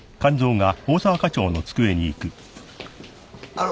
あの。